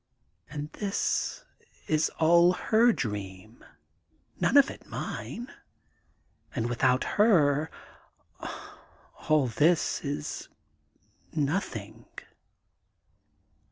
And this is all her dream, none of it mine, and without her all this is nothing.